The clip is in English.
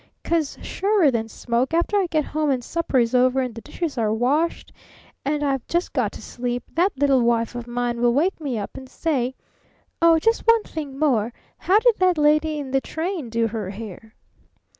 'Cause, surer than smoke, after I get home and supper is over and the dishes are washed and I've just got to sleep, that little wife of mine will wake me up and say: 'Oh, just one thing more. How did that lady in the train do her hair?'"